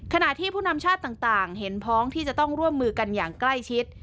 ขณะที่ผู้นำชาติต่างเห็นพ้องที่จะต้องร่วมมือกันอย่างใกล้ชิด